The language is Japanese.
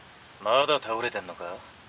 まだ倒れてんのか？